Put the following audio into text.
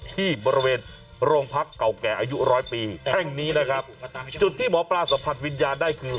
ที่บริเวณโรงพักเก่าแก่อายุร้อยปีแห่งนี้นะครับจุดที่หมอปลาสัมผัสวิญญาณได้คือ